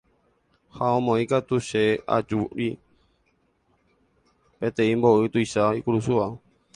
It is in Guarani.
Ha omoĩmakatu che ajúri peteĩ mbo'y tuicha ikurusúva.